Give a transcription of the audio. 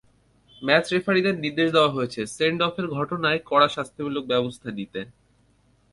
Match রেফারিদের নির্দেশ দেওয়া হচ্ছে, সেন্ড-অফের ঘটনায় কড়া শাস্তিমূলক ব্যবস্থা নিতে।